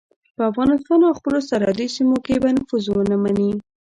په افغانستان او خپلو سرحدي سیمو کې به نفوذ ونه مني.